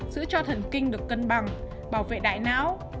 giữ cho thần kinh được cân bằng bảo vệ đại não